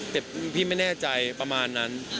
แต่พี่ไม่แน่ใจประมาณนั้น